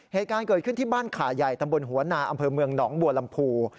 เหตุการณ์เกิดขึ้นที่บ้านขาใหญ่ตำบลหัวนาอำเภอเมืองหนองบัวลำพู